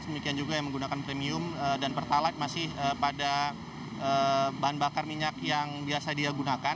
demikian juga yang menggunakan premium dan pertalite masih pada bahan bakar minyak yang biasa dia gunakan